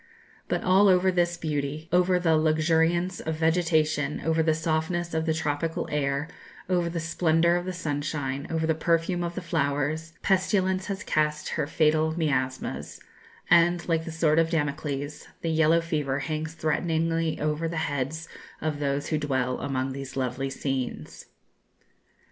But over all this beauty over the luxuriance of vegetation, over the softness of the tropical air, over the splendour of the sunshine, over the perfume of the flowers Pestilence has cast her fatal miasmas, and, like the sword of Damocles, the yellow fever hangs threateningly over the heads of those who dwell among these lovely scenes."